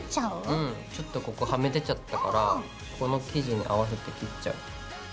うんちょっとここはみ出ちゃったからこの生地に合わせて切っちゃう。